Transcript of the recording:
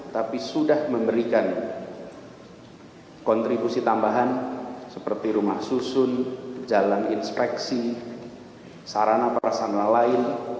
tapi sudah memberikan kontribusi tambahan seperti rumah susun jalan inspeksi sarana perasana lain